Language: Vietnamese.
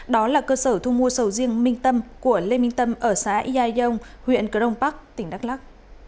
đó là cơ sở thu mua sầu riêng minh tâm của lê minh tâm ở xã yai dông huyện cờ đông bắc tỉnh đắk lắc